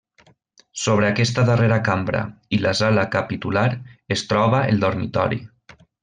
Sobre aquesta darrera cambra i la sala capitular es troba el dormitori.